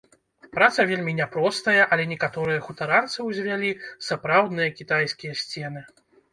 Праца вельмі няпростая, але некаторыя хутаранцы ўзвялі сапраўдныя кітайскія сцены.